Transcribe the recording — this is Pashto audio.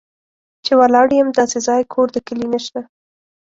چې ولاړ یم داسې ځای، کور د کلي نه شته